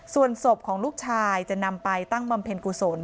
ส่วนศพของลูกชายจะนำไปตั้งบำเพ็ญกุศล